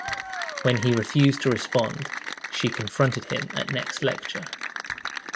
When he refused to respond, she confronted him at next lecture.